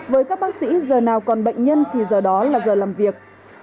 với các bác sĩ giờ nào còn bệnh nhân thì giờ đó là giờ làm việc